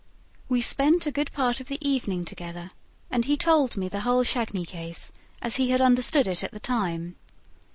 We spent a good part of the evening together and he told me the whole Chagny case as he had understood it at the time.